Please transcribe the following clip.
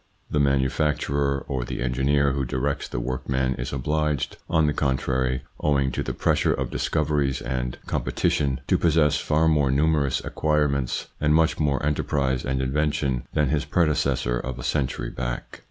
The manufacturer or the engineer who directs the workman is obliged, on the contrary, owing to the pressure of discoveries and competition, to possess far more numerous acquire ments and much more enterprise and invention than his predecessor of a century back.